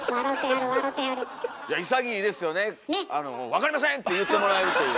「わかりません！」って言ってもらえるという。